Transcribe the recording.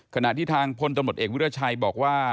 ขณะที่ทางพลตำรวจเอกวิราชัยบอกว่า